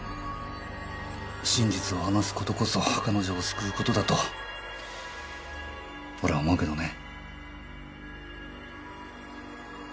真実を話す事こそ彼女を救う事だと俺は思うけどね。